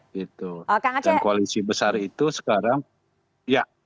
dan koalisi besar itu sekarang iya